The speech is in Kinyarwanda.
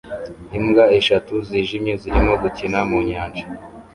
Imbwa eshatu zijimye zirimo gukina mu nyanja